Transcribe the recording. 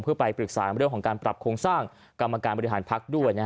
เพื่อไปปรึกษาเรื่องของการปรับโครงสร้างกรรมการบริหารพักด้วย